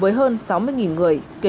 với hơn sáu mươi người